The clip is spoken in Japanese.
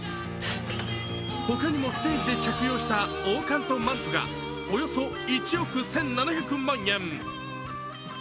他にもステージで着用した王冠とマントがおよそ１億１７００万円。